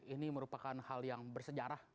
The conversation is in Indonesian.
ini merupakan hal yang bersejarah